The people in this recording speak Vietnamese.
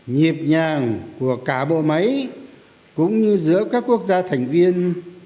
nhịp nhàng của cả bộ máy cũng như giữa các quốc gia thành viên